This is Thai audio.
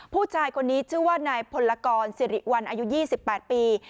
ผู้ชายคนนี้ชื่อว่านายพลกรสิริวัลอายุ๒๘ปี